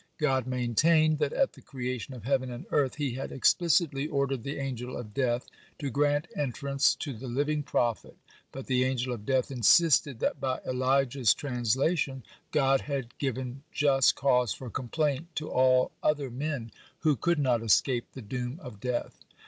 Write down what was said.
God maintained that at the creation of heaven and earth He had explicitly ordered the Angel of Death to grant entrance to the living prophet, but the Angel of Death insisted that by Elijah's translation God had given just cause for complaint to all other men, who could not escape the doom of death.